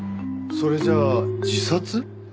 それじゃあ自殺？